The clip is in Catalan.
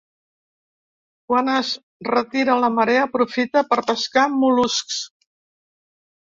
Quan es retira la marea aprofita per a pescar mol·luscs.